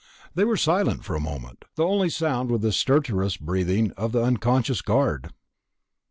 They were silent for a moment. The only sound was the stertorous breathing of the unconscious guard.